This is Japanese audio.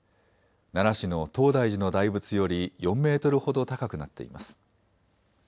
奈良市の東大寺の大仏より４メートルほど高くなっています。